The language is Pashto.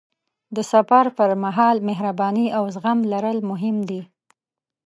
د سفر پر مهال مهرباني او زغم لرل مهم دي.